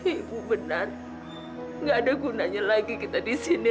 ibu benar nggak ada gunanya lagi kita di sini